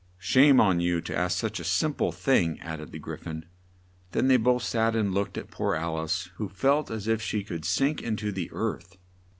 "Shame on you to ask such a sim ple thing," add ed the Gry phon; then they both sat and looked at poor Al ice, who felt as if she could sink into the earth.